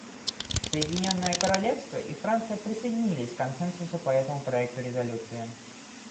Соединенное Королевство и Франция присоединились к консенсусу по этому проекту резолюции.